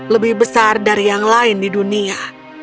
lebih besar dari yang lain di dunia